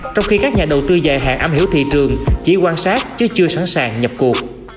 trong khi các nhà đầu tư dài hạn am hiểu thị trường chỉ quan sát chứ chưa sẵn sàng nhập cuộc